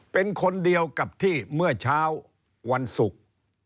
เป็นคนเดียวกับที่เมื่อเช้าวันศุกร์